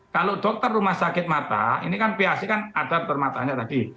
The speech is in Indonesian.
kalau dokter rumah sakit mata ini kan phc kan ada dokter mata nya tadi